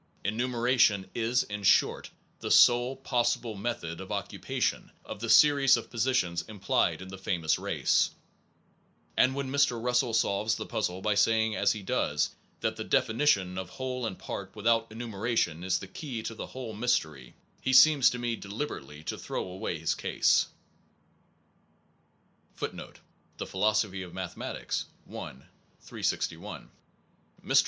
Enumeration is, in short, the sole possible method of occupa tion of the series of positions implied in the famous race; and when Mr. Russell solves the puzzle by saying as he does, that the defini tion of whole and part without enumeration is the key to the whole mystery, 1 he seems to me deliberately to throw away his case. 2 1 The Philosophy of Mathematics, i, 361. Mr.